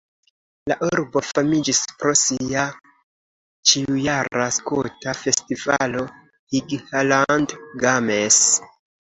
La urbo famiĝis pro sia ĉiujara skota festivalo Highland Games.